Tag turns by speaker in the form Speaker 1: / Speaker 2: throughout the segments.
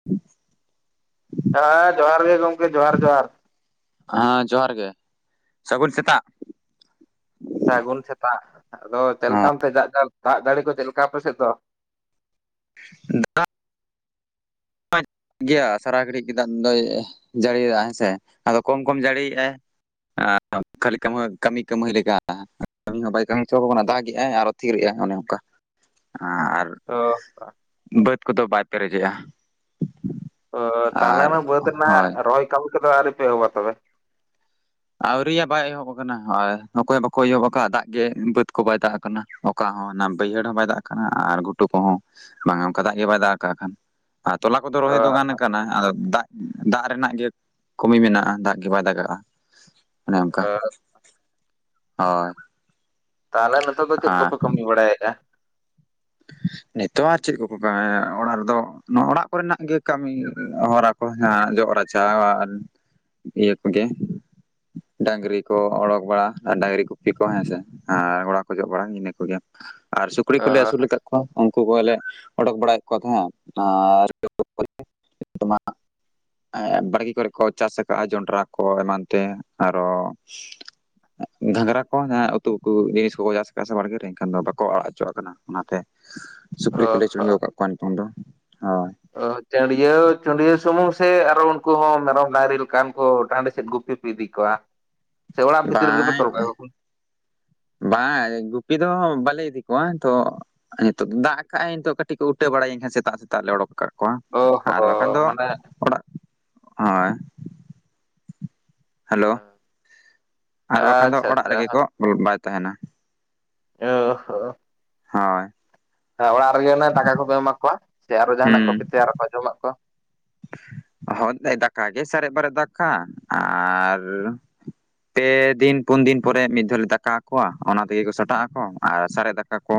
Speaker 1: [inaudible]
Speaker 2: ᱦᱮᱸ ᱡᱚᱦᱟᱨ ᱜᱮ ᱜᱚᱝᱠᱮ ᱡᱚᱦᱟᱨ ᱡᱚᱦᱟᱨ᱾
Speaker 1: ᱦᱮᱸ ᱡᱚᱦᱟᱨ ᱜᱮ, ᱥᱟᱹᱜᱩᱱ ᱪᱮᱛᱟᱜ᱾
Speaker 2: ᱥᱟᱹᱜᱩᱱ ᱥᱮᱛᱟᱜ, ᱟᱫᱚ ᱪᱮᱜ ᱞᱮᱠᱟ ᱚᱱᱛᱮ ᱫᱟᱜᱽ ᱡᱟᱲ ᱫᱟᱜᱽ ᱡᱟᱹᱲᱤ ᱠᱚ ᱪᱮᱜ ᱞᱮᱠᱟ ᱟᱯᱮ ᱥᱮᱜ ᱫᱚ?
Speaker 1: ᱫᱟᱜᱽ [unintelligible] ᱜᱮᱭᱟ ᱥᱟᱨᱟ ᱜᱷᱟᱹᱲᱤᱡ ᱜᱮ ᱫᱟᱜᱽ ᱫᱚᱭ ᱡᱟᱲᱤ ᱭᱮᱫᱟ ᱦᱮᱸᱥᱮ ᱟᱫᱚ ᱠᱚᱢ ᱠᱚᱢ ᱡᱟᱲᱤ ᱭᱮᱜ-ᱟᱭ᱾ ᱟᱸ ᱠᱷᱟᱹᱞᱤ ᱠᱟᱹᱢᱟᱹ ᱠᱟᱹᱢᱤ ᱠᱟᱹᱢᱦᱟᱹᱭ ᱞᱮᱠᱟ᱾ ᱠᱟᱹᱢᱤ ᱦᱚᱸ ᱵᱟᱭ ᱠᱟᱹᱢᱤ ᱦᱚᱪᱚ ᱠᱚ ᱠᱟᱱᱟ ᱫᱟᱜᱽ ᱜᱮᱜ-ᱟᱭ ᱟᱨᱚ ᱛᱷᱤᱨᱮᱜ-ᱟᱭ ᱚᱱᱮ ᱚᱱᱠᱟ ᱟᱨᱼᱼ
Speaker 2: ᱚ᱾
Speaker 1: ᱵᱟᱹᱫ ᱠᱚᱫᱚ ᱵᱟᱭ ᱯᱮᱨᱮᱡᱮᱜ-ᱟ᱾
Speaker 2: ᱚ ᱛᱟᱦᱞᱮ ᱢᱟ ᱵᱟᱹᱫᱽ ᱨᱮᱱᱟᱜ
Speaker 1: ᱦᱳᱭ
Speaker 2: ᱨᱚᱦᱚᱭ ᱠᱟᱹᱢᱤ ᱠᱚᱫᱚ ᱟᱣᱨᱤ ᱯᱮ ᱮᱦᱚᱵᱟ ᱛᱚᱵᱮ᱾
Speaker 1: ᱟᱣᱨᱤᱭᱟ ᱵᱟᱭ ᱮᱦᱚᱵ ᱟᱠᱟᱱᱟ ᱦᱚᱭ ᱚᱠᱚᱭ ᱦᱚᱸ ᱵᱟᱠᱚ ᱮᱭᱦᱚᱵ ᱟᱠᱟᱜ-ᱟ ᱫᱟᱜᱽ ᱜᱮ ᱵᱟᱹᱛ ᱠᱚ ᱵᱟᱭ ᱫᱟᱜᱽ ᱟᱠᱟᱱᱟ ᱚᱠᱼᱼ ᱠᱟ ᱦᱚᱸ ᱱᱟ ᱵᱟᱹᱭᱦᱟᱹᱲ ᱦᱚᱸ ᱵᱟᱭ ᱫᱟᱜᱽ ᱟᱠᱟᱱᱟ ᱟᱸᱨ ᱜᱷᱩᱴᱩ ᱠᱚᱦᱚᱸ ᱵᱟᱝᱟ ᱚᱱᱠᱟ ᱫᱟᱜᱽ ᱜᱮ ᱵᱟᱭ ᱫᱟᱜᱽ ᱟᱠᱟᱜ ᱠᱷᱟᱱ᱾ ᱟᱨ ᱛᱚᱞᱟ ᱠᱚᱫᱚ
Speaker 2: ᱚ
Speaker 1: ᱨᱚᱦᱚᱭ ᱫᱚ ᱜᱟᱱ ᱟᱠᱟᱱᱟ ᱟᱫᱚ ᱫᱟᱜᱽ ᱼᱼ ᱩᱸ ᱫᱟᱜᱽ ᱨᱮᱱᱟᱜ ᱜᱮ ᱠᱚᱢᱤ ᱢᱮᱱᱟᱜ-ᱟ ᱫᱟᱜᱽ ᱜᱮ ᱵᱟᱭ ᱫᱟᱜᱟᱜ-ᱟ ᱚᱱᱮ
Speaker 2: ᱚ
Speaker 1: ᱚᱱᱠᱟ᱾ ᱦᱚᱭ᱾
Speaker 2: ᱛᱟᱦᱞᱮ ᱱᱤᱛᱚᱜ ᱫᱚ ᱪᱮᱫ ᱠᱚᱯᱮ ᱠᱟᱹᱢᱤ ᱵᱟᱲᱟ ᱭᱮᱜ-ᱟ?
Speaker 1: ᱱᱤᱛᱚᱜ ᱟᱨ ᱪᱮᱜ ᱠᱚᱠᱚ ᱠᱟᱹᱢᱤᱭᱟ ᱚᱲᱟᱜ ᱨᱮᱫᱚ ᱱᱚᱜ ᱚᱲᱟᱜ ᱠᱚᱨᱮᱱᱟᱜ ᱜᱮ ᱠᱟᱹᱢᱤ ᱦᱚᱨᱟᱼᱼ ᱠᱚ ᱦᱟᱸᱜ ᱡᱚᱜ ᱨᱟᱪᱟ [unintelligible] ᱤᱭᱟᱹ ᱠᱚᱜᱮ᱾ ᱰᱟᱹᱝᱨᱤ ᱠᱚ ᱚᱰᱚᱠ ᱵᱟᱲᱟ ᱟᱨ ᱰᱟᱝᱨᱤ ᱜᱩᱯᱤ ᱠᱚ ᱦᱮᱸᱥᱮ ᱟᱨ ᱚᱲᱟᱜ ᱠᱚ ᱡᱚᱜ ᱵᱟᱲᱟ ᱤᱱᱟᱹ ᱠᱚᱜᱮ᱾ ᱟᱨ ᱥᱩᱠᱨᱤ
Speaker 2: ᱚ
Speaker 1: ᱠᱚᱞᱮ ᱟᱹᱥᱩᱞ ᱞᱟᱠᱟᱫᱼᱼ ᱠᱚ ᱩᱱᱠᱩ ᱠᱚᱜᱮᱞᱮ ᱚᱰᱚᱠ ᱵᱟᱲᱟᱭᱮᱜ ᱠᱚ ᱛᱟᱦᱮᱸᱫ ᱟᱨ [unintelligible] [unintelligible] ᱮᱸᱜ ᱵᱟᱲᱜᱮ ᱠᱚᱨᱮ ᱠᱚ ᱪᱟᱥᱟᱠᱟᱜ-ᱟ ᱡᱚᱱᱰᱨᱟ ᱠᱚ ᱮᱢᱟᱱ ᱛᱮ ᱟᱨᱚᱼᱼ ᱮᱸᱜ ᱜᱷᱟᱝᱜᱽᱨᱟ ᱠᱚ ᱡᱟᱦᱟᱸ ᱩᱛᱩ ᱠᱚ ᱡᱤᱱᱤᱥ ᱠᱚᱠᱚ ᱪᱟᱥ ᱟᱠᱟᱜ-ᱟ ᱥᱮ ᱵᱟᱲᱜᱮ ᱨᱮ ᱮᱱᱠᱷᱟᱱ ᱫᱚ ᱵᱟᱠᱚ ᱟᱲᱟᱜ ᱚᱪᱚᱣᱟᱜ ᱠᱟᱱᱟ᱾ ᱚᱱᱟᱛᱮ ᱥᱩᱠᱨᱤ
Speaker 2: ᱚ
Speaker 1: ᱠᱚᱞᱮ ᱪᱩᱲᱦᱟᱹᱣ ᱣᱟᱠᱟᱜ ᱠᱚᱣᱟ ᱱᱤᱛᱚᱝ ᱫᱚ, ᱦᱚᱭ᱾
Speaker 2: ᱚ ᱪᱟᱺᱰᱭᱟᱹᱣ-ᱪᱟᱺᱰᱭᱟᱹᱣ ᱥᱩᱢᱩᱝ ᱥᱮ ᱟᱨᱚ ᱩᱱᱠᱩ ᱦᱚᱸ ᱢᱮᱨᱚᱢ ᱰᱟᱝᱨᱤ ᱞᱮᱠᱟᱱ ᱠᱚ ᱴᱟᱸᱰᱤ ᱥᱮᱫ ᱜᱩᱯᱤ ᱯᱮ ᱤᱫᱤ ᱠᱚᱣᱟ? [inaudible] ᱵᱷᱤᱛᱤᱨ ᱨᱮᱜᱮᱯᱮ
Speaker 1: ᱵᱟᱸᱡ,
Speaker 2: ᱛᱚᱞ ᱠᱟᱜ ᱠᱚᱣᱟ
Speaker 1: ᱵᱟᱝ ᱜᱩᱯᱤ ᱫᱚ ᱵᱟᱞᱮ ᱤᱫᱤ ᱠᱚᱣᱟ ᱛᱚᱼᱼ ᱱᱤᱛᱚᱜ ᱫᱟᱜ ᱠᱟᱜ-ᱟᱭ ᱱᱤᱛᱚᱜ ᱠᱟᱹᱴᱤᱡ ᱠᱚ ᱩᱴᱟᱹ ᱵᱟᱲᱟᱭᱟ ᱮᱱᱠᱷᱟᱱ ᱥᱮᱛᱟᱜ-ᱥᱮᱛᱟᱜ ᱞᱮ ᱚᱰᱚᱠ ᱠᱟᱜᱼᱼ ᱠᱚᱣᱟ
Speaker 2: ᱚ
Speaker 1: ᱟᱨ ᱵᱟᱠᱷᱟᱱ
Speaker 2: ᱦᱚᱸ
Speaker 1: ᱫᱚ
Speaker 2: ᱢᱟᱱᱮ
Speaker 1: ᱚᱲᱟᱜ, ᱦᱚᱭᱼᱼ ᱦᱮᱞᱳ ᱟᱨ ᱵᱟᱠᱷᱟᱱ ᱫᱚ
Speaker 2: ᱟᱪᱪᱷᱟ
Speaker 1: ᱚᱲᱟᱜ
Speaker 2: ᱟᱪᱪᱷᱟ
Speaker 1: ᱨᱮᱜᱮ ᱠᱚ ᱵᱚᱞᱚ ᱵᱟᱭ ᱛᱟᱦᱮᱸᱱᱟ᱾
Speaker 2: [unintelligible]
Speaker 1: ᱦᱳᱭ
Speaker 2: ᱦᱮᱸ ᱚᱲᱟᱜ ᱨᱮᱜᱮ ᱚᱱᱮ ᱫᱟᱠᱟ ᱠᱚᱯᱮ ᱮᱢᱟ ᱠᱚᱣᱟ ᱥᱮ ᱟᱨᱚ ᱡᱟᱦᱟᱱᱟᱜ ᱠᱚᱯᱮ
Speaker 1: ᱦᱩᱸ
Speaker 2: ᱛᱮᱭᱟᱨᱟ ᱟᱠᱚᱣᱟ ᱡᱚᱢᱟᱜ ᱠᱚ?
Speaker 1: ᱦᱳᱭ ᱫᱟᱠᱟ ᱜᱮ ᱥᱟᱨᱮᱡ ᱵᱟᱨᱮᱡ ᱫᱟᱠᱟ ᱟᱨᱼᱼ ᱯᱮ ᱫᱤᱱ-ᱯᱩᱱ ᱫᱤᱱ ᱯᱚᱨᱮ ᱢᱤᱫ ᱫᱷᱚ-ᱞᱮ ᱫᱟᱠᱟ ᱟᱠᱚᱣᱟ ᱚᱱᱟ ᱛᱮᱜᱮ ᱠᱚ ᱥᱟᱴᱟᱜ ᱟᱠᱚ ᱟᱨ ᱥᱟᱨᱮᱡ ᱫᱟᱠᱟᱼᱼ ᱠᱟ ᱠᱚ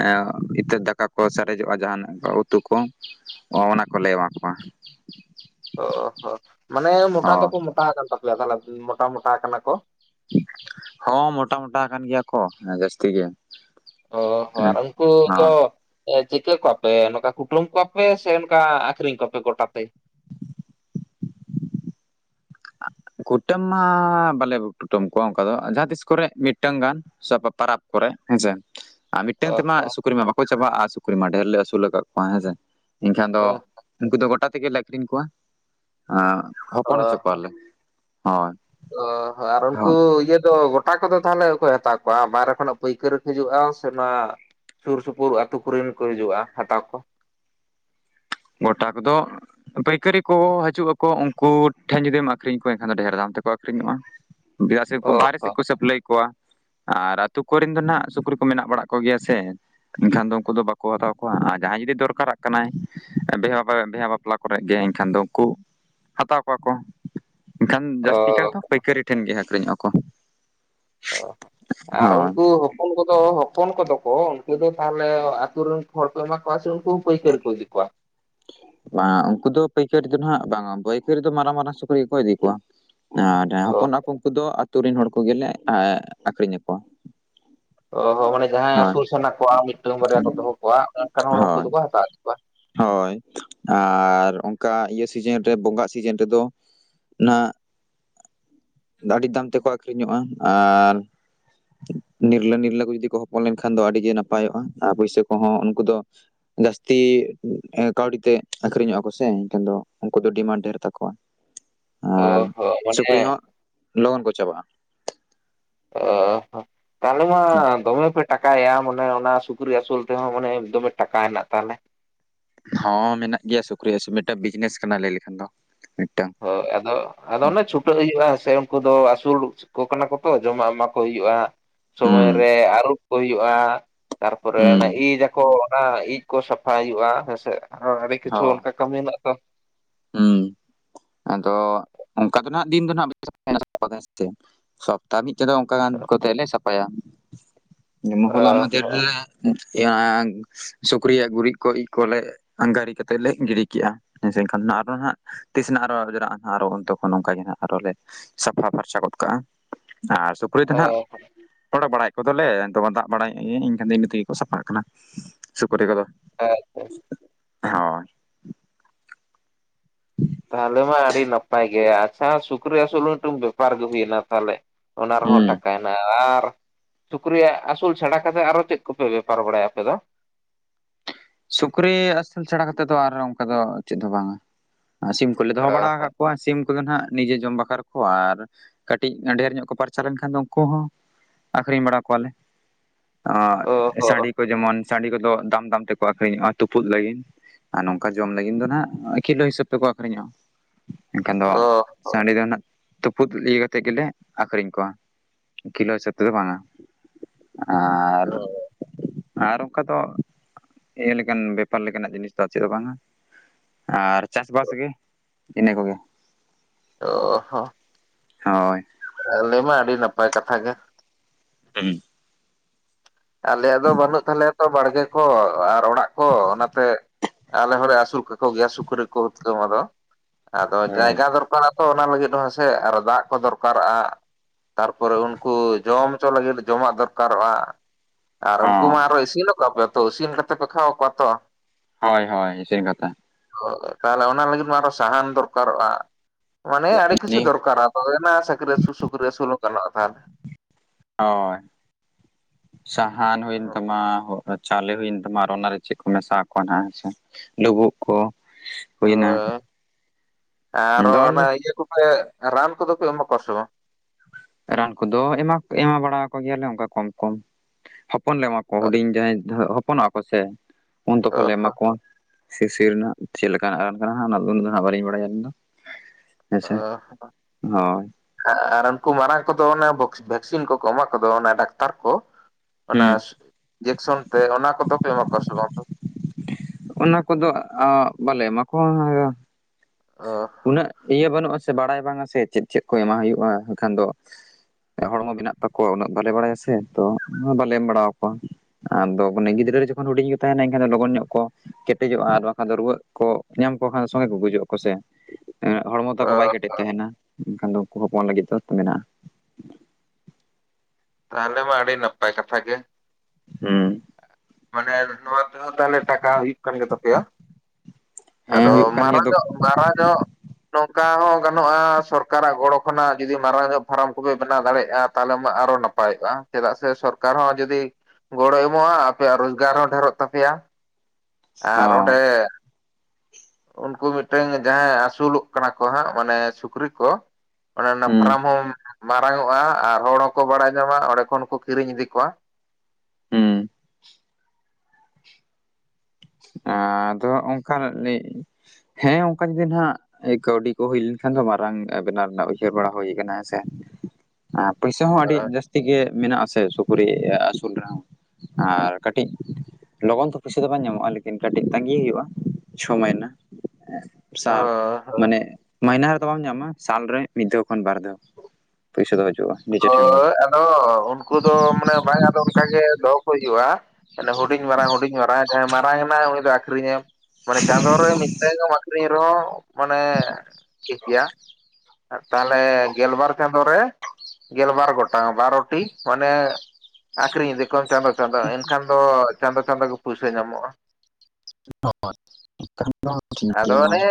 Speaker 1: ᱮ ᱤᱛᱟᱹ ᱫᱟᱠᱟ ᱠᱚ ᱥᱟᱨᱮᱡᱚᱜ-ᱟ ᱡᱟᱦᱟᱸᱱᱟᱜ ᱩᱛᱩ ᱠᱚ᱾ ᱚᱸ ᱚᱱᱟ ᱠᱚᱞᱮ ᱮᱢᱟ ᱠᱚᱣᱟ᱾
Speaker 2: ᱚ ᱦᱳ ᱢᱟᱱᱮ ᱢᱚᱴᱟ
Speaker 1: ᱦᱳᱭ
Speaker 2: ᱫᱚᱠᱚ ᱢᱚᱴᱟ ᱟᱠᱟᱱ ᱛᱟᱯᱮᱭᱟ ᱛᱟᱦᱚᱞᱮ ᱢᱚᱴᱟ-ᱢᱚᱴᱟ ᱟᱠᱟᱱᱟ ᱠᱚ,
Speaker 1: ᱦᱚᱸ ᱢᱚᱴᱟ-ᱢᱚᱴᱟ ᱟᱠᱟᱱ ᱜᱮᱭᱟ ᱠᱚ ᱡᱟᱹᱥᱛᱤ ᱜᱮ᱾
Speaker 2: ᱚ-ᱦᱚ ᱟᱨ ᱩᱱᱠᱩ ᱫᱚᱼᱼ
Speaker 1: ᱦᱳᱭ
Speaker 2: ᱪᱤᱠᱟᱹ ᱠᱚᱣᱟᱯᱮ ᱱᱚᱠᱟ ᱠᱩᱴᱟᱹᱢ ᱠᱚᱣᱟ ᱯᱮ ᱥᱮ ᱱᱚᱠᱟ ᱟᱠᱷᱨᱤᱧ ᱠᱚᱣᱟ ᱯᱮ ᱜᱚᱴᱟᱛᱮ?
Speaker 1: ᱠᱩᱴᱟᱹᱢ ᱢᱟᱸᱻ ᱵᱟᱞᱮ ᱠᱩᱴᱟᱹᱢ ᱠᱚᱣᱟ ᱚᱱᱠᱟ ᱫᱚ ᱡᱟᱦᱟᱸᱛᱤᱥ ᱠᱚᱨᱮ ᱢᱤᱫᱴᱟᱝ ᱜᱟᱱ, [unintelligible] ᱯᱟᱨᱟᱵᱽ ᱠᱚᱨᱮ ᱦᱮᱸᱥᱮ? ᱟᱸ
Speaker 2: ᱚ
Speaker 1: ᱢᱤᱫᱴᱟᱹᱝ ᱛᱮᱢᱟ
Speaker 2: ᱦᱚᱸ
Speaker 1: ᱥᱩᱠᱨᱤ ᱢᱟ ᱵᱟᱠᱚ ᱪᱟᱵᱟᱜ-ᱟ ᱥᱩᱠᱨᱤ ᱢᱟ ᱰᱷᱮᱨ ᱞᱮ ᱟᱹᱥᱩᱞ ᱟᱠᱟᱫ ᱠᱚᱣᱟ ᱦᱮᱸ ᱥᱮ᱾ ᱮᱱᱠᱷᱟᱱ ᱫᱚ
Speaker 2: ᱦᱮᱸ
Speaker 1: ᱩᱱᱠᱩ ᱫᱚ ᱜᱚᱴᱟ ᱛᱮᱜᱮᱞᱮ ᱟᱠᱷᱨᱤᱧ ᱠᱚᱣᱟ
Speaker 2: ᱚ
Speaker 1: ᱦᱚᱯᱚᱱ ᱦᱚᱪᱚ ᱠᱚᱣᱟᱞᱮ᱾ ᱦᱳᱭ,
Speaker 2: ᱚ ᱦᱚᱸ ᱟᱨ ᱩᱱᱠᱩ
Speaker 1: ᱦᱳᱭ᱾
Speaker 2: ᱤᱭᱟᱹ ᱫᱚ ᱜᱚᱴᱼᱼ ᱚᱠᱟ ᱠᱚᱫᱚ ᱛᱟᱦᱚᱞᱮ ᱚᱠᱚᱭ ᱦᱟᱛᱟᱣ ᱠᱚᱣᱟ, ᱵᱟᱦᱨᱮ ᱠᱷᱚᱱᱟᱜ ᱯᱟᱹᱭᱠᱟᱹᱨ ᱠᱚ ᱦᱤᱡᱩᱜ-ᱟ ᱥᱮ ᱚᱱᱟᱼᱼ ᱥᱩᱨ-ᱥᱩᱯᱩᱨ ᱟᱹᱛᱩ ᱠᱚᱨᱮᱱ ᱠᱚ ᱦᱤᱡᱩᱜ-ᱟ ᱦᱟᱛᱟᱣ ᱠᱚ᱾
Speaker 1: ᱜᱚᱴᱟ ᱠᱚᱫᱚᱼᱼ ᱯᱟᱹᱭᱠᱟᱹᱨᱤ ᱠᱚ ᱦᱟᱡᱩᱜ ᱟᱠᱚ ᱩᱱᱠᱩ ᱴᱷᱮᱱ ᱡᱩᱫᱤᱢ ᱟᱠᱷᱨᱤᱧ ᱠᱚᱣᱟ ᱮᱱᱠᱷᱟᱱ ᱫᱚ ᱰᱷᱮᱨ ᱫᱟᱢ ᱛᱮᱠᱚ ᱟᱠᱷᱨᱤᱧᱚᱜ-ᱟ᱾
Speaker 2: [inaudible]
Speaker 1: ᱵᱤᱭᱟ ᱥᱮᱯ
Speaker 2: ᱚ
Speaker 1: ᱠᱚ ᱵᱟᱨᱦᱮ ᱥᱮᱫ
Speaker 2: ᱦᱚᱸ
Speaker 1: ᱠᱚ ᱥᱟᱹᱯᱞᱟᱭ ᱠᱚᱣᱟ᱾ ᱟᱨ ᱟᱹᱛᱩ ᱠᱚᱨᱮᱱ ᱫᱚ ᱦᱟᱸᱜ ᱥᱩᱠᱨᱤ ᱠᱚ ᱢᱮᱱᱟᱜ ᱵᱟᱲᱟᱜ ᱠᱚᱜᱮᱭᱟ ᱥᱮ, ᱮᱱᱠᱷᱟᱱ ᱫᱚ ᱩᱱᱠᱩ ᱫᱚ ᱵᱟᱠᱚ ᱦᱟᱛᱟᱣ ᱠᱚᱣᱟ ᱟᱨ ᱡᱟᱦᱟᱸᱭ ᱡᱩᱫᱤ ᱫᱚᱨᱠᱟᱨᱟᱜ ᱠᱟᱱᱟᱭᱼᱼ ᱵᱮᱦᱟ ᱵᱟᱯᱞᱟ ᱵᱮᱦᱟ ᱵᱟᱯᱞᱟ ᱠᱚᱨᱮᱜ ᱜᱮ ᱮᱱᱠᱷᱟᱱ ᱫᱚ ᱩᱱᱠᱩ ᱦᱟᱛᱟᱣ ᱠᱚᱣᱟ ᱠᱚ᱾ ᱮᱱᱠᱷᱟᱱ ᱡᱟᱹᱥᱛᱤ ᱠᱟᱨ ᱫᱚ ᱯᱟᱹᱭᱠᱟᱹᱨᱤ ᱴᱷᱮᱱ ᱜᱮ ᱟᱹᱠᱷᱨᱤᱧᱚᱜ-ᱟ ᱠᱚ᱾
Speaker 2: ᱚ ᱟᱨ
Speaker 1: ᱦᱳᱭ
Speaker 2: ᱩᱱᱠᱩ ᱦᱚᱯᱚᱱ ᱠᱚᱫᱚ ᱦᱚᱯᱚᱱ ᱠᱚᱫᱚ ᱠᱚ ᱩᱱᱠᱩ ᱫᱚ ᱛᱟᱦᱚᱞᱮ ᱟᱹᱛᱩ ᱨᱮᱱᱼᱼ ᱦᱚᱲ ᱠᱚ ᱮᱢᱟ ᱠᱚᱣᱟ ᱥᱮ ᱩᱱᱠᱩ ᱦᱚᱸ ᱯᱟᱹᱭᱠᱟᱹᱨ ᱠᱚ ᱤᱫᱤ ᱠᱚᱣᱟ?
Speaker 1: ᱵᱟᱝ ᱩᱱᱠᱩ ᱫᱚ ᱯᱟᱹᱭᱠᱟᱹᱨ ᱫᱚ ᱦᱟᱸᱜ ᱵᱟᱝ ᱯᱟᱹᱭᱠᱟᱹᱨ ᱫᱚ ᱢᱟᱨᱟᱝ-ᱢᱟᱨᱟᱝ ᱥᱩᱠᱨᱤ ᱜᱮᱠᱚ ᱤᱫᱤ ᱠᱚᱣᱟ᱾ ᱟᱨ
Speaker 2: ᱚ
Speaker 1: ᱦᱚᱯᱚᱱᱚᱜ-ᱟ ᱠᱚ ᱩᱱᱠᱩ ᱫᱚ ᱟᱛᱩᱨᱮᱱ ᱦᱚᱲ ᱠᱚᱜᱮ ᱞᱮ ᱟᱠᱷᱨᱤᱧ ᱟᱠᱚᱣᱟ᱾
Speaker 2: ᱳ ᱦᱳ ᱢᱟᱱᱮ ᱡᱟᱦᱟᱸᱭ
Speaker 1: ᱦᱳᱭ
Speaker 2: ᱟᱥᱩᱞ ᱥᱟᱱᱟ ᱠᱚᱣᱟ ᱢᱤᱫᱴᱝ ᱵᱟᱨᱭᱟ ᱠᱚ ᱫᱚᱦᱚ ᱠᱚᱣᱟ ᱚᱱᱮ ᱚᱱᱠᱟᱱ ᱦᱚᱲ ᱩᱱᱠᱩ
Speaker 1: ᱦᱳᱭ
Speaker 2: ᱫᱚᱠᱚ ᱦᱟᱛᱟᱣ ᱤᱫᱤ ᱠᱚᱣᱟ᱾
Speaker 1: ᱦᱳᱭ ᱟᱨ ᱚᱝᱠᱟ ᱤᱭᱟᱹ ᱥᱤᱡᱮᱱ ᱨᱮ ᱵᱚᱸᱜᱟᱜ ᱥᱤᱡᱮᱱ ᱨᱮᱫᱚᱼᱼ ᱱᱟᱜ ᱟᱹᱰᱤ ᱫᱟᱢ ᱛᱮᱠᱚ ᱟᱠᱷᱨᱤᱧᱚᱜ-ᱟ, ᱟᱨᱼᱼ ᱱᱤᱨᱞᱟᱹ-ᱱᱤᱨᱞᱟᱹ ᱠᱚ ᱡᱩᱫᱤ ᱠᱚ ᱦᱚᱯᱚᱱ ᱞᱮᱱᱠᱷᱟᱱ ᱫᱚ ᱟᱹᱰᱤ ᱜᱮ ᱱᱟᱯᱟᱭᱚᱜ-ᱟ ᱟᱨ ᱯᱩᱭᱥᱟᱹ ᱠᱚᱦᱚᱸ ᱩᱱᱠᱩ ᱫᱚᱼᱼ ᱡᱟᱹᱥᱛᱤᱼᱼ ᱠᱟᱹᱣᱰᱤᱛᱮ ᱟᱠᱷᱨᱤᱧᱚᱜ-ᱟ ᱠᱚᱥᱮ ᱮᱱᱠᱷᱟᱱ ᱫᱚ ᱩᱱᱠᱩ ᱫᱚ ᱰᱤᱢᱟᱱᱰ ᱰᱷᱮᱨ ᱛᱟᱠᱚᱣᱟ᱾
Speaker 2: ᱚ
Speaker 1: ᱟᱨ
Speaker 2: ᱦᱚ ᱢᱟᱱᱮ
Speaker 1: ᱥᱩᱠᱨᱤ ᱦᱚᱸ ᱞᱚᱜᱚᱱ ᱠᱚ ᱪᱟᱵᱟᱜ-ᱟ᱾
Speaker 2: ᱚᱻ ᱦᱚᱸ ᱛᱟᱦᱞᱮ ᱢᱟ ᱫᱚᱢᱮ ᱯᱮᱼᱼ ᱴᱟᱠᱟᱭᱼᱟ ᱢᱟᱱᱮ ᱚᱱᱟ ᱥᱩᱠᱨᱤ ᱟᱹᱥᱩᱞ ᱛᱮᱦᱚᱸ ᱢᱟᱱᱮ ᱫᱚᱢᱮ ᱴᱟᱠᱟ ᱦᱮᱱᱟᱜ ᱛᱟᱦᱚᱞᱮ᱾
Speaker 1: ᱦᱚᱸ ᱢᱮᱱᱟᱜ ᱜᱮᱭᱟ ᱥᱩᱠᱨᱤᱭ ᱢᱤᱫᱴᱟᱝ ᱵᱤᱡᱽᱱᱮᱥ ᱠᱟᱱᱟ ᱞᱟᱹᱭ ᱞᱮᱠᱷᱟᱱ ᱫᱚ ᱢᱤᱫᱴᱟᱝ᱾
Speaker 2: ᱦᱳᱭ ᱟᱫᱚ ᱟᱫᱚ ᱚᱱᱮ ᱪᱷᱩᱴᱟᱹᱜ ᱦᱩᱭᱩᱜᱼᱟ ᱥᱮ ᱩᱱᱠᱩ ᱫᱚ ᱟᱹᱥᱩᱞ᱾ ᱠᱚ ᱠᱟᱱᱟ ᱠᱚ ᱛᱚ ᱡᱚᱢᱟᱜ ᱮᱢᱟ ᱠᱚ ᱦᱩᱭᱩᱜᱼᱟ ᱥᱚᱢᱚᱭ
Speaker 1: ᱦᱩᱸ
Speaker 2: ᱨᱮ ᱟᱹᱨᱩᱵ ᱠᱚ ᱦᱩᱭᱩᱜᱼᱟ᱾ ᱛᱟᱨᱯᱚᱨᱮ ᱚᱱᱟ
Speaker 1: ᱦᱩᱸ
Speaker 2: ᱤᱡ ᱟᱠᱚ ᱚᱱᱟ ᱤᱡ ᱠᱚ ᱥᱟᱯᱷᱟᱭ ᱦᱩᱭᱩᱜᱼᱟ ᱦᱮᱸᱥᱮ ᱟᱨ ᱟᱹᱰᱤ ᱠᱤᱪᱷᱩ
Speaker 1: ᱦᱳᱭ
Speaker 2: ᱚᱱᱠᱟ᱾ ᱠᱟᱹᱢᱤ ᱨᱮᱱᱟᱜ ᱛᱚ᱾
Speaker 1: ᱦᱩᱸ ᱛᱚ ᱚᱱᱠᱟ ᱫᱚ ᱦᱟᱸᱜ ᱫᱤᱱ ᱫᱚ ᱦᱟᱸᱜ ᱵᱟᱭ ᱥᱟᱯᱷᱟᱭᱟ ᱦᱮᱸ ᱥᱮ᱾ ᱛᱟ ᱢᱤᱫ ᱪᱟᱸᱫ ᱚᱱᱠᱟ ᱜᱟᱱ ᱠᱚᱛᱮ ᱞᱮ ᱥᱟᱯᱷᱟᱭᱟ ᱡᱮᱢᱚᱱ
Speaker 2: ᱚ
Speaker 1: ᱦᱚᱞᱟ ᱢᱟᱼᱼ [unintelligible]
Speaker 2: ᱦᱚ
Speaker 1: ᱥᱩᱠᱨᱤᱭᱟᱜ ᱜᱩᱨᱤᱡ ᱠᱚ ᱤᱡ ᱠᱚᱞᱮ ᱟᱜᱟᱨᱤ ᱠᱟᱛᱮᱜ ᱞᱮ ᱜᱤᱰᱤ ᱠᱮᱜᱼᱟ [inaudible] ᱟᱨ ᱦᱚᱸ ᱛᱤᱥᱱᱟᱜ ᱟᱨᱚ ᱚᱱᱛᱮ ᱠᱷᱚᱱ ᱚᱱᱠᱟᱜ ᱜᱮ ᱟᱨᱚᱞᱮ᱾ ᱥᱟᱯᱷᱟ ᱯᱷᱟᱨᱪᱟ ᱜᱚᱫ ᱠᱟᱜᱼᱟ ᱟᱨ ᱥᱩᱠᱨᱤ ᱫᱚ
Speaker 2: ᱚ
Speaker 1: ᱱᱟᱦᱟᱜ ᱚᱲ ᱵᱟᱲᱟᱭ᱾ ᱠᱚᱫᱚ ᱞᱮ ᱱᱤᱛ ᱵᱟ ᱫᱟᱜ ᱵᱟᱲᱟᱭᱮᱫ ᱜᱮ ᱮᱱᱠᱷᱟᱱ ᱫᱚ ᱤᱱᱟᱹ ᱛᱮᱜᱮ ᱠᱚ ᱥᱟᱯᱷᱟᱜ ᱠᱟᱱᱟ ᱥᱩᱠᱨᱤ ᱠᱚᱫᱚ᱾
Speaker 2: [unintelligible]
Speaker 1: ᱦᱳᱭ [unintelligible]
Speaker 2: ᱛᱟᱦᱚᱞᱮ ᱢᱟ ᱟᱹᱰᱤ ᱱᱟᱯᱟᱭ ᱜᱮ ᱟᱪᱪᱷᱟ ᱥᱩᱠᱨ ᱥᱩᱞᱩ ᱢᱤᱫᱴᱟᱝ ᱵᱮᱯᱟᱨ ᱜᱮ ᱦᱩᱭᱱᱟ ᱛᱟᱦᱚᱞᱮ᱾ ᱚᱱᱟ ᱨᱮᱦᱚᱸ
Speaker 1: ᱦᱩᱸ
Speaker 2: ᱴᱟᱠᱟᱭᱱᱟ᱾ ᱟᱨ ᱥᱩᱠᱨᱤ ᱟᱹᱥᱩᱞ ᱪᱷᱟᱲᱟ ᱠᱟᱛᱮᱫ ᱟᱨᱚ ᱪᱮᱫ ᱠᱚᱯᱮ ᱵᱮᱯᱟᱨ ᱵᱟᱲᱟᱭᱟ ᱟᱯᱮ ᱫᱚ?
Speaker 1: ᱥᱩᱠᱨᱤ ᱟᱹᱥᱩᱞ ᱪᱷᱟᱲᱟ ᱠᱟᱛᱮᱫ ᱫᱚ ᱟᱨ ᱚᱱᱠᱟ ᱫᱚ ᱪᱮᱫ ᱦᱚᱸ ᱵᱟᱝᱼᱟ ᱥᱤᱢ ᱠᱚᱞᱮ ᱫᱚᱦᱚ ᱵᱟᱲᱟ ᱟᱠᱟᱫ ᱠᱚᱣᱟ᱾ ᱥᱤᱢ ᱠᱚᱫᱚ ᱟᱸᱜ ᱱᱤᱡᱮ ᱡᱚᱢ ᱵᱟᱠᱷᱨᱟ ᱠᱚ ᱟᱨ ᱠᱟᱹᱴᱤᱡ ᱰᱷᱮᱨ ᱧᱚᱜ ᱠᱚ ᱯᱟᱨᱪᱟ ᱞᱮᱱᱠᱷᱟᱱ ᱫᱚ ᱩᱱᱠᱩ ᱦᱚᱸ᱾ ᱟᱠᱷᱨᱤᱧ ᱵᱟᱲᱟ ᱠᱚᱣᱟᱞᱮ
Speaker 2: ᱚ
Speaker 1: ᱚᱸ
Speaker 2: ᱦᱚᱸ
Speaker 1: ᱥᱟᱰᱤ ᱠᱚ ᱡᱮᱢᱚᱱ ᱥᱟᱰᱤ ᱠᱚᱫᱚ ᱫᱟᱢ ᱫᱟᱢ ᱛᱮ᱾ ᱟᱹᱷᱨᱤᱧᱚᱜᱼᱟ ᱛᱩᱯᱩᱩᱜ ᱞᱟᱹᱜᱤᱫ ᱟᱨ ᱱᱚᱝᱠᱟ ᱡᱚᱢ ᱞᱟᱹᱜᱤᱫ ᱫᱚ ᱟᱜ ᱠᱤᱞᱳ ᱦᱤᱥᱟᱹᱵ ᱛᱮᱠᱚ ᱟᱹᱷᱨᱤᱧᱚᱜᱼᱟ᱾ ᱮᱱᱠᱷᱟᱱ ᱫᱚ
Speaker 2: ᱚ
Speaker 1: ᱥᱟᱺᱰᱤ ᱫᱚᱱᱟᱜ᱾ ᱛᱩᱯᱩᱫ ᱤᱭᱟᱹ ᱠᱟᱛᱮᱫ ᱜᱮᱞᱮ ᱟᱠᱷᱨᱤᱧ ᱠᱚᱣᱟ ᱠᱷᱤᱞᱳ ᱦᱤᱥᱟᱹᱵ ᱛᱮᱫᱚ ᱵᱟᱝ ᱟ᱾ ᱟᱨ
Speaker 2: ᱦᱚᱸ
Speaker 1: ᱟᱨ ᱚᱱᱠᱟ ᱫᱚ᱾ ᱤᱭᱟᱹ ᱞᱮᱠᱟᱱ ᱵᱮᱯᱟᱨ ᱞᱮᱠᱟ ᱱᱟᱜ ᱡᱤᱱᱤᱥ ᱪᱚ ᱪᱮᱫ ᱦᱚᱸ ᱵᱟᱝᱼᱟ᱾ ᱟᱨ ᱪᱟᱥᱵᱟᱥ ᱜᱮ ᱤᱱᱟᱹ ᱠᱚᱜᱮ᱾
Speaker 2: ᱚ ᱦᱚᱸ
Speaker 1: ᱦᱳᱭ
Speaker 2: ᱟᱞᱮ ᱢᱟ ᱟᱹᱰᱤ ᱱᱟᱯᱟᱭ ᱠᱟᱛᱷᱟ ᱜᱮ᱾
Speaker 1: [unintelligible]
Speaker 2: ᱟᱞᱮᱭᱟᱜ ᱫᱚ ᱵᱟᱹᱱᱩᱜ ᱛᱟᱞᱮᱭᱟ ᱛᱚ ᱵᱟᱲᱜᱮ ᱠᱚ ᱟᱨ ᱚᱲᱟᱜ ᱠᱚ ᱚᱱᱟᱛᱮ᱾ ᱟᱞᱮ ᱦᱚᱲᱮ ᱟᱹᱥᱩᱞ ᱠᱟᱠᱚ ᱜᱮᱭᱟ ᱥᱩᱠᱨᱤ ᱠᱚ ᱩᱛᱠᱟᱹᱢ ᱟᱫᱚ ᱟᱫᱚ ᱡᱟᱭᱜᱟ ᱫᱚ᱾ [inaudible] ᱛᱚ ᱚᱱᱟ ᱞᱟᱹᱜᱤᱫ ᱦᱮᱸᱥᱮ ᱟᱨ ᱫᱟᱜ ᱠᱚ ᱫᱚᱨᱠᱟᱨᱚᱜᱼᱟ᱾ ᱛᱟᱨᱯᱚᱨᱮ ᱩᱱᱠᱩ ᱡᱚᱢ ᱦᱚᱪᱚ ᱞᱟᱹᱜᱤᱫ ᱡᱚᱢᱟᱜ ᱫᱚᱨᱠᱟᱨᱚᱜᱼᱟ᱾ ᱟᱨ ᱩᱱᱠᱩ
Speaker 1: ᱦᱚᱸ
Speaker 2: ᱢᱟ ᱟᱨᱚ ᱤᱥᱤᱱᱚᱜ ᱠᱚ ᱯᱮ ᱛᱚ ᱤᱥᱤᱱ ᱠᱟᱛᱮᱫ ᱯᱮ ᱠᱷᱟᱣᱟᱣ ᱠᱚᱣᱟ ᱛᱚ᱾
Speaker 1: ᱦᱳᱭ ᱦᱳᱭ ᱤᱥᱤᱱ ᱠᱟᱛᱮ᱾
Speaker 2: ᱦᱚᱭ ᱛᱟᱦᱚᱞᱮ ᱚᱱᱟ ᱞᱟᱹᱜᱤᱫ ᱢᱟ ᱟᱨᱚ ᱥᱟᱦᱟᱱ ᱫᱚᱨᱠᱟᱨᱚᱜᱼᱟ, ᱢᱟᱱᱮ ᱟᱹᱰᱤ ᱠᱤᱪᱷᱩ ᱫᱚᱨᱠᱟᱨᱟ᱾ ᱦᱚᱭ ᱚᱱᱟ ᱥᱟᱠᱨᱤ ᱟᱹᱥᱩᱞ ᱥᱩᱠᱨᱤ ᱟᱹᱥᱩᱞ ᱦᱚᱸ ᱜᱟᱱᱚᱜᱼᱟ ᱛᱟᱦᱚᱞᱮ᱾
Speaker 1: ᱦᱳᱭ ᱥᱟᱦᱟᱱ ᱦᱩᱭᱮᱱ ᱛᱟᱢᱟ᱾ ᱪᱟᱣᱞᱮ ᱦᱩᱭᱮᱱ ᱛᱟᱢᱟ ᱟᱨ ᱚᱱᱟᱨᱮ ᱪᱮᱫ ᱠᱚ ᱢᱮᱥᱟᱚᱣᱟ ᱱᱟ ᱦᱮᱸᱥᱮ ᱞᱩᱵᱩᱜ ᱠᱚ ᱦᱩᱭᱱᱟ᱾
Speaker 2: ᱦᱳᱭ ᱟᱨᱚ
Speaker 1: ᱟᱫᱚ ᱟᱞᱮ
Speaker 2: ᱤᱭᱟᱹ ᱠᱚᱯᱮ ᱨᱟᱱ ᱠᱚᱫᱚ ᱯᱮ ᱮᱢᱟ ᱠᱚᱣᱟ ᱥᱮ ᱵᱟᱝ?
Speaker 1: ᱨᱟᱱ ᱠᱚᱫᱚ ᱮ ᱮᱢᱟ ᱵᱟᱲᱟ ᱠᱚ ᱜᱮᱭᱟᱞᱮ ᱚᱱᱠᱟ ᱠᱚᱢ ᱠᱚᱢ᱾ ᱦᱚᱯᱚᱱ ᱞᱮ ᱮᱢᱟ ᱠᱚᱣᱟ ᱦᱩᱰᱤᱧ ᱡᱟᱦᱟᱸᱭ ᱦᱚᱯᱚᱱ ᱱᱚᱜᱼᱟ ᱟᱠᱚ ᱥᱮ ᱩᱱ
Speaker 2: ᱚ
Speaker 1: ᱛᱚᱠᱷᱚᱱ ᱞᱮ
Speaker 2: ᱦᱚ
Speaker 1: ᱮᱢᱟ ᱠᱚ ᱥᱤᱥᱤᱨ ᱨᱮᱱᱟᱜ ᱪᱮᱫ ᱞᱮᱠᱟᱱᱟᱜ ᱨᱟᱱ ᱠᱟᱱᱟ ᱚᱱᱟ ᱫᱚ ᱩᱱᱟᱹᱜ ᱫᱚ ᱦᱟᱜ ᱵᱟᱹᱞᱤᱧ ᱵᱟᱲᱟᱭᱟ ᱟᱹ ᱤᱧ ᱫᱚ ᱾
Speaker 2: ᱚᱦᱚ ᱾ ᱟᱨ ᱩᱱᱠᱩ ᱢᱟᱨᱟᱝ ᱠᱚᱫᱚ ᱚᱱᱟ ᱵᱷᱚᱠᱥ ᱵᱷᱮᱠᱥᱤᱱ ᱠᱚᱠᱚ ᱮᱢᱟ ᱠᱚᱫᱚ ᱚᱱᱟ ᱰᱟᱠᱛᱟᱨ ᱠᱚ᱾ ᱚᱱᱟ
Speaker 1: ᱦᱩᱸ
Speaker 2: ᱧᱡᱮᱠᱥᱚᱱ ᱛᱮ ᱚᱱᱟ ᱠᱚᱫᱚ ᱯᱮ ᱮᱢᱟ ᱠᱚᱣᱟ ᱥᱮ ᱵᱟᱝ ᱟᱯᱮ?
Speaker 1: ᱚᱱᱟ ᱠᱚᱫᱚ ᱵᱟᱞᱮ ᱮᱢᱟ ᱠᱚᱣᱟ,
Speaker 2: ᱚ ᱦᱚ
Speaker 1: ᱩᱱᱟᱹᱜ ᱤᱭᱟᱹ ᱵᱟᱹᱱᱩᱜᱼᱟ ᱥᱮ ᱵᱟᱲᱟᱭ ᱵᱟᱝᱼᱟ ᱥᱮ ᱪᱮᱫ-ᱪᱮᱫ ᱠᱚ ᱮᱢᱟ ᱦᱩᱭᱩᱜᱼᱟ ᱮᱱᱠᱷᱟᱱ ᱫᱚ ᱦᱚᱲᱢᱚ ᱜᱮᱱᱟᱜ ᱛᱟᱠᱚ ᱩᱱᱟᱹᱜ ᱵᱟᱞᱮ ᱵᱟᱲᱟᱭᱟ ᱥᱮ ᱛᱚ ᱵᱟᱞᱮ ᱮᱢ ᱵᱟᱲᱟᱣ ᱠᱚᱣᱟ, ᱟᱫᱚ ᱢᱟᱱᱮ ᱜᱤᱫᱽᱨᱟᱹ ᱨᱮ ᱡᱚᱠᱷᱚᱱ ᱦᱩᱰᱤᱧ ᱜᱮ ᱛᱟᱦᱮᱱᱟᱭ ᱮᱱᱠᱷᱟᱱ ᱫᱚ ᱞᱚᱜᱚᱱ ᱧᱚᱜ ᱠᱚ ᱾ ᱠᱮᱴᱮᱡᱚᱜᱼᱟ ᱟᱨ ᱵᱟᱝᱠᱷᱟᱱ ᱫᱚ ᱨᱩᱣᱟᱹᱜ ᱠᱚ ᱧᱟᱢ ᱠᱚ ᱠᱷᱟᱱ ᱫᱚ ᱥᱚᱸᱜᱮ ᱠᱚ ᱜᱩᱡᱩᱜᱼᱟ ᱾ ᱠᱚ ᱥᱮ ᱦᱚᱲᱢᱚ
Speaker 2: ᱚ
Speaker 1: ᱛᱟᱠᱚ ᱵᱟᱭ ᱠᱮᱴᱮᱡ ᱛᱟᱦᱮᱱᱟ ᱮᱱᱠᱷᱟᱱ ᱫᱚ ᱩᱱᱠᱩ ᱦᱚᱯᱚᱱ ᱞᱟᱹᱜᱤᱫ ᱫᱚ ᱢᱮᱱᱟᱜᱼᱟ ᱾
Speaker 2: ᱛᱟᱦᱞᱮ ᱢᱟ ᱟᱹᱰᱤ ᱱᱟᱯᱟᱭ ᱠᱟᱛᱷᱟ ᱜᱮ᱾
Speaker 1: ᱦᱢ ᱾
Speaker 2: ᱢᱟᱱᱮ ᱱᱚᱣᱟ ᱛᱮᱦᱚ ᱛᱟᱦᱚᱞᱮ ᱴᱟᱠᱟ ᱦᱩᱭᱩᱜ ᱠᱟᱱ ᱜᱮ ᱛᱟᱯᱮᱭᱟ
Speaker 1: ᱦᱮᱸ
Speaker 2: ᱟᱫᱚ
Speaker 1: ᱦᱩᱭᱩᱜ ᱠᱟᱱ ᱜᱮᱭᱟ
Speaker 2: ᱢᱟᱨᱟᱝ
Speaker 1: ᱫᱚ
Speaker 2: ᱧᱚᱜ ᱛᱟᱨᱟ ᱫᱚ ᱱᱚᱝᱠᱟ ᱦᱚᱸ ᱜᱟᱱᱚᱜ-ᱟ ᱥᱚᱨᱠᱟᱨᱟᱜ ᱜᱚᱲᱚ ᱠᱷᱚᱱᱟᱜ ᱡᱩᱫᱤ ᱢᱟᱨᱟᱝ ᱧᱚᱜ ᱯᱷᱟᱨᱟᱢ ᱠᱚᱯᱮ ᱵᱮᱱᱟᱣ ᱫᱟᱲᱮᱭᱟᱜ-ᱟ ᱛᱟᱦᱚᱞᱮ ᱢᱟ ᱟᱨᱚ ᱱᱟᱯᱟᱭ ᱾ ᱱᱟᱯᱟᱭᱚᱜ-ᱟ ᱪᱮᱫᱟᱜ ᱥᱮ ᱥᱚᱨᱠᱟᱨ ᱦᱚᱸ ᱡᱩᱫᱤ ᱜᱚᱲᱚᱭ ᱮᱢᱚᱜᱼᱟ ᱟᱯᱮᱭᱟᱜ ᱨᱳᱡᱽᱜᱟᱨ ᱦᱚᱸ ᱰᱷᱮᱨᱚᱜ ᱛᱟᱯᱮᱭᱟ ᱟᱨ
Speaker 1: ᱦᱚᱸ
Speaker 2: ᱚᱱᱰᱮ ᱩᱱᱠᱩ ᱢᱤᱫᱴᱮᱱ ᱡᱟᱦᱟᱸᱭ ᱟᱹᱥᱩᱞᱚᱜ ᱠᱟᱱᱟ ᱠᱚ ᱦᱟᱸᱜ ᱢᱟᱱᱮ ᱥᱩᱠᱨᱤ ᱠᱚ ᱚᱱᱮ ᱚᱱᱟ
Speaker 1: ᱦᱩᱸ
Speaker 2: ᱯᱷᱟᱨᱟᱢ ᱦᱚᱸ ᱢᱟᱨᱟᱝ ᱚᱜ-ᱟ ᱟᱨ ᱦᱚᱲ ᱦᱚᱸᱠᱚ ᱵᱟᱲᱟᱭ ᱧᱟᱢᱟ ᱚᱸᱰᱮ ᱠᱷᱚᱱ ᱠᱚ ᱠᱤᱨᱤᱧ ᱤᱫᱤ ᱠᱚᱣᱟ,
Speaker 1: ᱦᱩᱸ ᱾ ᱟᱫᱚ ᱚᱱᱠᱟ ᱱᱤᱡ ᱦᱮᱸ ᱚᱱᱠᱟ ᱡᱩᱫᱤ ᱱᱟᱜ ᱠᱟᱹᱣᱰᱤ ᱠᱚ ᱦᱩᱭ ᱞᱮᱱᱠᱷᱟᱱ ᱫᱚ ᱢᱟᱨᱟᱝ ᱵᱮᱱᱟᱣ ᱨᱮᱱᱟᱜ ᱩᱭᱦᱟᱹᱨ ᱵᱟᱲᱟ ᱦᱩᱭ ᱟᱠᱟᱱᱟ ᱦᱮᱸᱥᱮ, ᱟ ᱯᱚᱭᱥᱟ ᱦᱚᱸ ᱟᱹᱰᱤ
Speaker 2: ᱦᱳᱭ
Speaker 1: ᱡᱟᱹᱥᱛᱤ ᱜᱮ ᱢᱮᱱᱟᱜ ᱟᱥᱮ ᱥᱩᱠ ᱠᱩᱨᱤ ᱟᱹᱥᱩᱞ ᱨᱮᱦᱚᱸ ᱟᱨ ᱠᱟᱹᱴᱤᱡ ᱞᱚᱜᱚᱱ ᱛᱚ ᱯᱩᱭᱥᱟ ᱫᱚ ᱵᱟᱝ ᱧᱟᱢᱚᱜ-ᱟ ᱠᱤᱱ ᱠᱟᱹᱴᱤᱡ ᱛᱟᱸᱜᱤ ᱦᱩᱭᱩᱜ-ᱟ ᱪᱷᱚ ᱢᱟᱹᱭᱱᱟ ᱥᱟᱞ
Speaker 2: ᱦᱳᱭ
Speaker 1: ᱢᱟᱱᱮ ᱢᱟᱹᱭᱱᱟᱹ ᱨᱮᱫᱚ ᱵᱟᱢ ᱧᱟᱢᱟ ᱥᱟᱞᱨᱮ ᱢᱤᱫ ᱫᱷᱟᱣ ᱠᱷᱚᱱ ᱵᱟᱨ ᱫᱷᱟᱣ ᱾ ᱯᱚᱭᱥᱟᱹ ᱫᱚ ᱦᱤᱡᱩᱜ-ᱟ ᱾
Speaker 2: ᱦᱳᱭ ᱟᱫᱚ ᱩᱱᱠᱩ ᱫᱚ ᱢᱟᱱᱮ ᱵᱟᱝ ᱟᱫᱚ ᱾ ᱚᱱᱠᱟᱜᱮ ᱫᱚᱦᱚ ᱠᱚ ᱦᱩᱭᱩᱜ-ᱟ ᱢᱮᱱᱮ ᱦᱩᱰᱤᱧ-ᱢᱟᱨᱟᱝ, ᱦᱩᱰᱤᱧ-ᱢᱟᱨᱟᱝ ᱡᱟᱦᱟᱸᱭ ᱢᱟᱨᱟᱝ ᱮᱱᱟᱭ ᱩᱱᱤ ᱫᱚ ᱟᱹᱠᱷᱨᱤᱧᱮᱢ ᱾ ᱢᱟᱱᱮ ᱪᱟᱸᱫᱚ ᱨᱮ ᱢᱤᱫᱴᱮᱱᱮᱢ ᱟᱹᱠᱷᱨᱤᱧᱮ ᱨᱮᱦᱚᱸ ᱢᱟᱱᱮ ᱴᱷᱤᱠ ᱜᱮᱭᱟ ᱾ ᱟᱨ ᱛᱟᱦᱚᱞᱮ ᱜᱮᱞᱵᱟᱨ ᱪᱟᱸᱫᱚ ᱨᱮ ᱜᱮᱞᱵᱟᱨ ᱜᱚᱴᱟᱝ ᱵᱟᱨᱚᱴᱤ ᱢᱟᱱᱮ ᱟᱠᱷᱨᱤᱧ ᱤᱫᱤ ᱠᱚᱣᱟᱢ ᱪᱟᱸᱫᱚ, ᱪᱟᱸᱫᱚ ᱮᱱᱠᱷᱟᱱ ᱫᱚ ᱪᱟᱸᱫᱚ, ᱪᱟᱸᱫᱚ ᱜᱮ ᱯᱩᱭᱥᱟᱹ ᱧᱟᱢᱚᱜ-ᱟ ᱾
Speaker 1: [inaudible] [inaudible] ᱴᱷᱤᱠ ᱜᱮᱭᱟ
Speaker 2: ᱟᱫᱚ
Speaker 1: ᱚᱱᱟ ᱦᱚᱸ
Speaker 2: ᱚᱱᱮ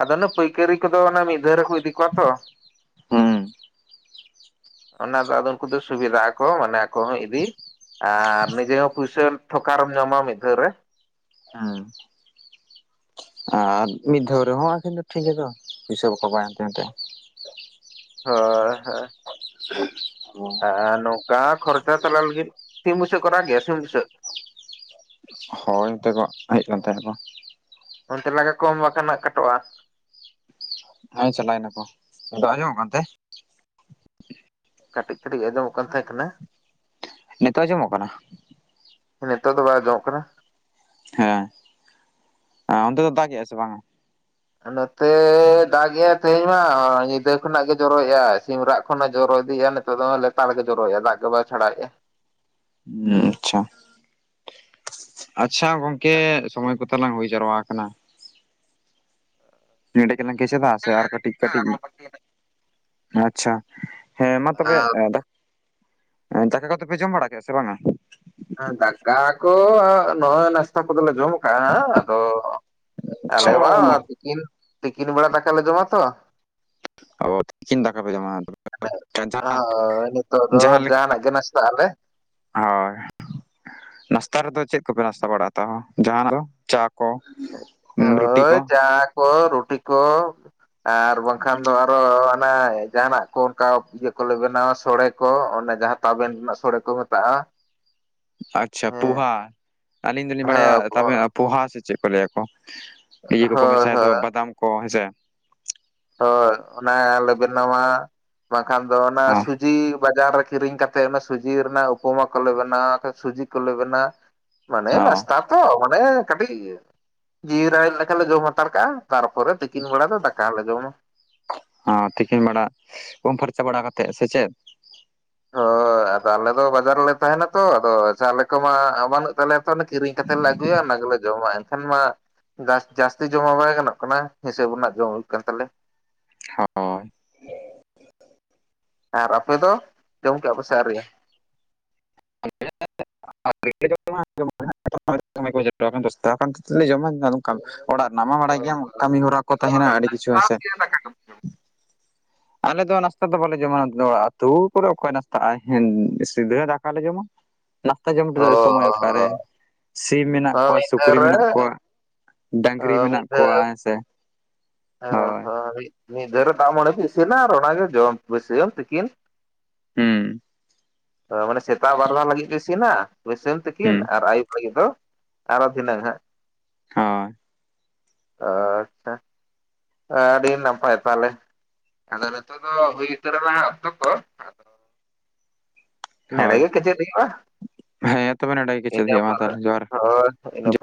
Speaker 2: ᱟᱫᱚ ᱚᱱᱟ ᱯᱟᱹᱭᱠᱷᱟᱹᱨᱤ ᱠᱚᱫᱚ ᱚᱱᱮ ᱢᱤᱫ ᱫᱷᱟᱣ ᱨᱮᱠᱚ ᱤᱫᱤ ᱠᱚᱣᱟ ᱛᱚ,
Speaker 1: ᱦᱩᱸ
Speaker 2: ᱚᱱᱟ ᱫᱚ ᱟᱫᱚ ᱩᱱᱠᱩ ᱫᱚ ᱥᱩᱵᱤᱫᱟ ᱟᱠᱚ ᱢᱟᱱᱮ ᱟᱠᱚ ᱦᱚᱸ ᱤᱫᱤ ᱟᱨ ᱱᱤᱡᱮ ᱦᱚᱸ ᱦᱩᱭᱥᱟᱹ ᱛᱷᱚᱠᱟᱨᱮᱢ ᱧᱟᱢᱟ ᱢᱤᱫ ᱫᱷᱟᱣ ᱨᱮ
Speaker 1: ᱦᱢ ᱟᱨ ᱢᱤᱫ ᱫᱷᱟᱣ ᱨᱮᱦᱚᱸ ᱠᱤᱱᱛᱩ ᱴᱷᱤᱠ ᱜᱮᱫᱚ ᱯᱩᱭᱥᱟᱹ ᱵᱟᱠᱚ ᱵᱟᱭ ᱦᱟᱱᱛᱮ ᱱᱟᱛᱮᱼᱟ ᱾
Speaker 2: ᱦᱳᱭ ᱦᱳᱭ
Speaker 1: [inaudible] ᱦᱢ ᱾
Speaker 2: ᱟᱨ ᱱᱚᱝᱠᱟ ᱠᱷᱚᱨᱪᱟ ᱛᱟᱞᱟ ᱞᱟᱹᱜᱤᱫ ᱥᱤᱢ ᱵᱩᱥᱟᱹᱜ ᱠᱚ ᱨᱟᱜ ᱜᱮᱭᱟ ᱥᱤᱢ ᱵᱩᱥᱟᱹᱜ
Speaker 1: ᱦᱳᱭ ᱚᱱᱛᱮ ᱠᱚ ᱦᱮᱡ ᱟᱠᱟᱱ ᱛᱟᱦᱮᱸᱠᱚ
Speaker 2: ᱚᱱᱛᱮ ᱞᱟᱜᱟ ᱠᱚᱢ ᱵᱟᱠᱷᱟᱱᱟᱜ ᱠᱟᱴᱚᱜ-ᱟ ᱾
Speaker 1: ᱦᱮᱸ ᱪᱟᱞᱟᱭ ᱱᱟᱠᱚ, ᱟᱫᱚ ᱟᱸᱡᱚᱢᱚᱜ ᱠᱟᱱ ᱛᱮ ᱾
Speaker 2: ᱠᱟᱹᱴᱤᱡ ᱠᱟᱹᱴᱤᱡ ᱟᱸᱡᱚᱢᱚᱜ ᱠᱟᱱ ᱛᱟᱦᱮᱸ ᱠᱟᱱᱟ ᱾
Speaker 1: ᱱᱤᱛᱚᱜ ᱟᱸᱡᱚᱢᱚᱜ ᱠᱟᱱᱟ ᱾
Speaker 2: ᱱᱤᱛᱚᱜ ᱫᱚ ᱵᱟᱭ ᱟᱸᱡᱚᱢᱚᱜ ᱠᱟᱱᱟ ᱾
Speaker 1: ᱦᱮᱸ ᱚᱱᱛᱮ ᱫᱚ ᱫᱟᱜᱮ ᱟᱥᱮ ᱵᱟᱝ-ᱟ?
Speaker 2: ᱱᱚᱛᱮ ᱫᱟᱜᱮ ᱟᱭ ᱛᱮᱦᱮᱸᱧ ᱢᱟ ᱧᱤᱫᱟᱹ ᱠᱷᱚᱱᱟᱜ ᱜᱮ ᱡᱚᱨᱚᱭᱮᱜ-ᱟᱭ ᱥᱤᱢᱨᱟᱜ ᱠᱷᱚᱱ ᱡᱚᱨᱚ ᱤᱫᱤᱜ-ᱟ ᱱᱤᱛᱚᱜ ᱫᱚ ᱞᱮᱛᱟᱲ ᱜᱮ ᱡᱚᱨᱚᱭᱮᱜ-ᱟᱭ ᱫᱟᱜᱽ ᱜᱮ ᱵᱟ ᱪᱷᱟᱰᱟᱭᱮᱜ-ᱟᱭ ᱾
Speaker 1: ᱦᱩᱸ ᱟᱪᱪᱷᱟ, ᱟᱪᱪᱷᱟ ᱜᱚᱝᱠᱮ ᱥᱚᱢᱚᱭ ᱠᱚ ᱛᱟᱞᱟᱝ ᱦᱩᱭ ᱡᱟᱨᱣᱟ ᱟᱠᱟᱱᱟ ᱾ ᱱᱮᱰᱮ ᱜᱮᱞᱟᱝ ᱠᱮᱪᱮᱫᱟ ᱥᱮ ᱟᱨ ᱠᱟᱹᱴᱤᱡ ᱠᱟᱹᱴᱤᱡ ᱟᱪᱪᱷᱟ ᱾ ᱦᱮᱸ ᱢᱟ ᱛᱚᱵᱮ ᱫᱟᱠ ᱫᱟᱠᱟ ᱠᱚᱫᱚ ᱯᱮ ᱡᱚᱢ ᱵᱟᱲᱟ ᱠᱮᱜ ᱟᱥᱮ ᱵᱟᱝᱟ?
Speaker 2: ᱫᱟᱠᱟ ᱠᱚ ᱱᱚᱜ-ᱚᱭ ᱱᱟᱥᱛᱟ ᱠᱚᱫᱚᱞᱮ ᱡᱚᱢ ᱟᱠᱟᱜ-ᱟ ᱟᱫᱚ ᱟᱞᱮ
Speaker 1: ᱟᱪᱪᱷᱟ
Speaker 2: ᱢᱟ ᱛᱤᱠᱤᱱ ᱛᱤᱠᱤᱱ ᱵᱮᱲᱟ ᱫᱟᱠᱟᱞᱮ ᱡᱚᱢᱟ ᱛᱚ
Speaker 1: ᱚ ᱛᱤᱠᱤᱱ ᱫᱟᱠᱟ ᱯᱮ ᱡᱚᱢᱟ ᱡᱟᱦᱟᱸ
Speaker 2: ᱦᱚᱭ ᱱᱤᱛᱚᱜ ᱫᱚ
Speaker 1: ᱡᱟᱦᱟᱸ ᱞᱮᱠᱟ
Speaker 2: ᱡᱟᱦᱟᱱᱟᱜ ᱜᱮ ᱱᱟᱥᱛᱟᱜ ᱟᱞᱮ
Speaker 1: ᱦᱳᱭ ᱾ ᱱᱟᱥᱛᱟ ᱨᱮᱫᱚ ᱪᱮᱜ ᱠᱚᱯᱮ ᱱᱟᱥᱛᱟ ᱵᱟᱲᱟᱜ-ᱟ ᱛᱟᱦᱚ ᱡᱟᱦᱟᱱᱟᱜ ᱫᱚ ᱪᱟ ᱠᱚ ᱩᱸ ᱨᱩᱴᱤ
Speaker 2: ᱦᱚᱭ
Speaker 1: ᱠᱚ
Speaker 2: ᱪᱟ ᱠᱚ ᱨᱩᱴᱤ ᱠᱚ ᱟᱨ ᱵᱟᱝ ᱠᱷᱟᱱ ᱫᱚ ᱟᱨᱚ ᱚᱱᱟ ᱡᱟᱦᱟᱱᱟᱜ ᱠᱚ ᱚᱱᱠᱟ ᱤᱭᱟᱹ ᱠᱚᱞᱮ ᱵᱮᱱᱟᱣᱟ ᱥᱚᱲᱮ ᱠᱚ ᱚᱱᱟ ᱡᱟᱦᱟᱸ ᱛᱟᱵᱮᱱ ᱨᱮᱱᱟᱜ ᱥᱚᱲᱮ ᱠᱚ ᱢᱮᱛᱟᱜ-ᱟ ᱾ [inaudible]
Speaker 1: ᱟᱪᱪᱷᱟ ᱯᱩᱦᱟ ᱟᱹᱞᱤᱧ ᱫᱚᱞᱤᱧ ᱵᱟᱲᱟᱭᱟ
Speaker 2: ᱦᱳᱭ
Speaker 1: ᱛᱟᱵᱮ ᱯᱚᱦᱟ ᱥᱮ ᱪᱮᱜ ᱠᱚ ᱞᱟᱹᱭᱟ ᱠᱚ ᱤᱭᱟᱹ ᱠᱚᱠᱚ
Speaker 2: ᱦᱳᱭ
Speaker 1: ᱢᱮᱥᱟᱭ ᱫᱚ
Speaker 2: ᱦᱳᱭ
Speaker 1: ᱵᱟᱫᱟᱢ ᱠᱚ ᱦᱮᱸᱥᱮ
Speaker 2: ᱦᱚᱭ ᱚᱱᱟᱞᱮ ᱵᱮᱱᱟᱣᱟ, ᱵᱟᱝ ᱠᱷᱟᱱ ᱫᱚ ᱚᱱᱟ
Speaker 1: ᱦᱚᱸ
Speaker 2: ᱥᱩᱡᱤ ᱵᱟᱡᱟᱨ ᱨᱮ ᱠᱤᱨᱤᱧ ᱠᱟ ᱛᱮ ᱚᱱᱟ ᱥᱩᱡᱤ ᱨᱮᱱᱟᱜ ᱩᱯᱚᱢᱟ ᱠᱚᱞᱮ ᱵᱮᱱᱟᱣᱟ ᱥᱩᱡᱤ ᱠᱚᱞᱮ ᱵᱮᱱᱟᱣᱟ ᱢᱟᱱᱮ
Speaker 1: ᱦᱚᱸ
Speaker 2: ᱱᱟᱥᱛᱟ ᱛᱚ ᱢᱟᱱᱮ ᱠᱟᱹᱴᱤᱡ ᱡᱤᱣᱤ ᱨᱟᱲᱮᱡ ᱞᱮᱠᱟ ᱞᱮ ᱡᱚᱢ ᱦᱟᱛᱟᱲ ᱠᱟᱜᱼᱟ ᱛᱟᱨᱯᱚᱨᱮ ᱛᱤᱠᱤᱱ ᱵᱮᱲᱟ ᱫᱚ ᱫᱟᱠ ᱠᱟᱞᱮ ᱡᱚᱢ ᱢᱟ ᱾
Speaker 1: ᱦᱚᱸ ᱛᱤᱠᱤᱱ ᱵᱮᱲᱟ ᱩᱢ ᱯᱷᱟᱨᱪᱟ ᱵᱟᱲᱟ ᱠᱟᱛᱮᱜ ᱥᱮ ᱪᱮᱫ?
Speaker 2: ᱦᱚᱭ ᱟᱫᱚ ᱟᱞᱮ ᱫᱚ ᱵᱟᱡᱟᱨ ᱨᱮᱞᱮ ᱛᱟᱦᱮᱸᱱᱟ ᱛᱚ ᱟᱫᱚ ᱪᱟᱣᱞᱮ ᱠᱚᱢᱟ ᱵᱟᱹᱱᱩᱜ ᱛᱟᱞᱮᱭᱟ ᱛᱚ ᱚᱱᱟ ᱠᱤᱨᱤᱧ ᱠᱟᱛᱮ ᱞᱮ ᱟᱹᱜᱩᱭᱟ ᱚᱱᱟ ᱜᱮᱞᱮ ᱡᱚᱢᱟ ᱾ ᱠᱷᱟᱱ ᱢᱟ ᱡᱟᱥ ᱡᱟᱹᱥᱛᱤ ᱡᱚᱢ ᱢᱟ ᱵᱟᱭ ᱜᱟᱱᱚᱜ ᱠᱟᱱᱟ ᱦᱤᱥᱟᱹᱵ ᱨᱮᱱᱟᱜ ᱡᱚᱢ ᱦᱩᱭᱩᱜ ᱠᱟᱱ ᱛᱟᱞᱮ ᱾
Speaker 1: ᱦᱚᱸ ᱾
Speaker 2: ᱟᱨ ᱟᱯᱮ ᱫᱚ ᱡᱚᱢ ᱠᱮᱜ ᱟᱯᱮ ᱥᱮ ᱟᱣᱨᱤ ᱭᱟ ᱾
Speaker 1: [unintelligible] ᱚᱲᱟᱜ ᱨᱮᱱᱟᱜ ᱢᱟ ᱵᱟᱲᱟᱭ ᱜᱮᱭᱟᱢ ᱠᱟᱹᱢᱤ ᱦᱚᱨᱟ ᱠᱚ ᱛᱟᱦᱮᱸᱱᱟ ᱟᱹᱰᱤ ᱠᱤᱪᱷᱩ ᱦᱮᱸᱥᱮ
Speaker 2: [inaudible]
Speaker 1: ᱟᱞᱮ ᱫᱚ ᱱᱟᱥᱛᱟ ᱫᱚ ᱵᱟᱞᱮ ᱡᱚᱢᱟ ᱟᱹᱛᱩ ᱠᱚᱨᱮ ᱚᱠᱚᱭ ᱱᱟᱥᱛᱟᱜᱼᱟᱭ ᱥᱤᱫᱷᱟᱹ ᱫᱟᱠᱟᱞᱮ ᱡᱚᱢᱟ ᱾ ᱱᱟᱥᱛᱟ ᱡᱚᱢ ᱨᱮ
Speaker 2: ᱚ
Speaker 1: ᱥᱚᱢᱚᱭ ᱚᱠᱟᱨᱮ ᱥᱤᱢ ᱢᱮᱱᱟᱜ
Speaker 2: ᱦᱚᱸ
Speaker 1: ᱠᱚᱣᱟ
Speaker 2: ᱢᱤᱫ ᱫᱷᱟᱣ
Speaker 1: ᱥᱩᱠᱨᱤ
Speaker 2: ᱨᱮ
Speaker 1: ᱢᱮᱱᱟᱜ ᱠᱚᱣᱟ ᱾ ᱰᱟᱝᱨᱤ ᱢᱮᱱᱟᱜ ᱠᱚᱣᱟ ᱦᱮᱸ ᱥᱮ ᱾
Speaker 2: ᱚ ᱦᱚᱸ ᱾ ᱢᱤᱫ ᱫᱷᱟᱹᱣ ᱨᱮ ᱫᱟᱜᱽ ᱢᱟᱹᱰᱤ ᱠᱚ ᱤᱥᱤᱱᱟ ᱟᱨ ᱚᱱᱟᱜᱮ ᱡᱚᱢ ᱵᱟᱹᱥᱭᱟᱢ ᱛᱤᱠᱤᱱ
Speaker 1: ᱦᱩᱸ ᱾
Speaker 2: ᱢᱟᱱᱮ ᱥᱮᱛᱟᱜ ᱵᱟᱨ ᱫᱷᱟᱣ ᱞᱟᱹᱜᱤᱜ ᱯᱮ ᱤᱥᱤᱱᱟ ᱵᱟᱹᱭᱥᱟᱹᱢ, ᱛᱤᱠᱤᱱ ᱟᱨ ᱟᱹᱭᱩᱵ ᱞᱟᱹᱜᱤᱫ ᱫᱚ ᱟᱨ ᱦᱚᱸ ᱫᱤᱱᱟᱝ ᱦᱟᱸᱜ
Speaker 1: ᱦᱚᱭ ᱾
Speaker 2: ᱟᱪᱪᱷᱟ, ᱟᱹᱰᱤ ᱱᱟᱯᱟᱭ ᱛᱟᱦᱞᱮ ᱾ ᱟᱫᱚ ᱱᱤᱛᱚᱜ ᱫᱚ ᱦᱩᱭ ᱩᱛᱟᱹᱨ ᱟᱞᱟᱧᱟᱜ ᱚᱠᱛᱚ ᱠᱚ ᱾ ᱱᱚᱰᱮ ᱜᱮ ᱠᱮᱪᱮᱫ ᱦᱩᱭᱩᱜᱼᱟ ᱾ ᱤᱱᱟᱹ ᱯᱚᱨ ᱦᱚᱭ ᱤᱱᱟᱹ ᱯᱚᱨ